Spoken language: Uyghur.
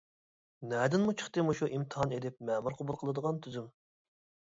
نەدىنمۇ چىقتى مۇشۇ ئىمتىھان ئېلىپ مەمۇر قوبۇل قىلىدىغان تۈزۈم.